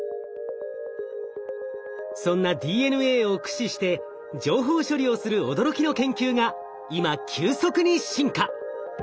そんなＤＮＡを駆使して情報処理をする驚きの研究が今急速に進化！